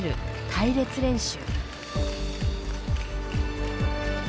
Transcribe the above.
隊列練習。